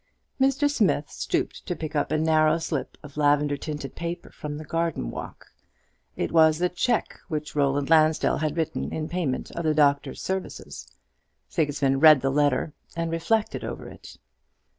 Mr. Smith stooped to pick up a narrow slip of lavender tinted paper from the garden walk. It was the cheque which Roland Lansdell had written in payment of the Doctor's services. Sigismund read the letter, and reflected over it.